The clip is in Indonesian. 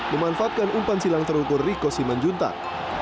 memanfaatkan umpan silang terukur riko simanjuntak